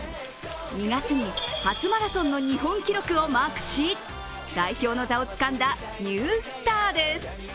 ２月に初マラソンの日本記録をマークし、代表の座をつかんだニュースターです。